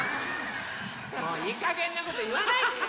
もういいかげんなこといわないでよ。